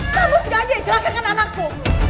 kamu sudah aja yang celaka kan anakku